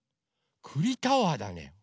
くりタワーだね。